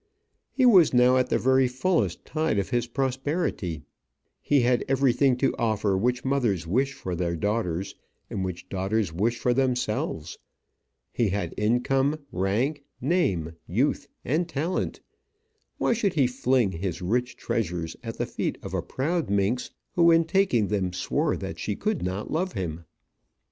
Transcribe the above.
He was now at the very fullest tide of his prosperity; he had everything to offer which mothers wish for their daughters, and which daughters wish for themselves. He had income, rank, name, youth, and talent. Why should he fling his rich treasures at the feet of a proud minx who in taking them swore that she could not love him?